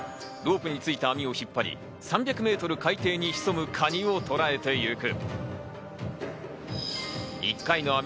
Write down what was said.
ロープについた網を引っ張り、３００メートル海底に潜むカニを捕えてゆく。